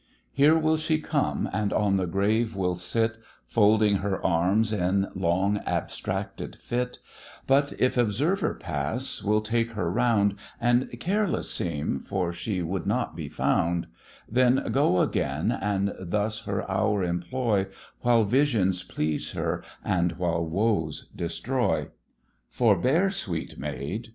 Here will she come, and on the grave will sit, Folding her arms, in long abstracted fit; But if observer pass, will take her round, And careless seem, for she would not be found; Then go again, and thus her hour employ, While visions please her, and while woes destroy. Forbear, sweet Maid!